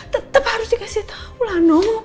tetap harus dikasih tahu lah no